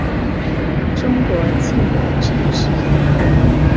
中国近代政治人物。